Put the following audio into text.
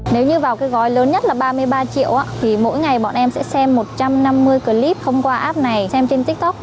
nếu như vào cái gói lớn nhất là ba mươi ba triệu thì mỗi ngày bọn em sẽ xem một trăm năm mươi clip thông qua app này xem trên tiktok